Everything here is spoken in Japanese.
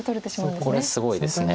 これすごいですね。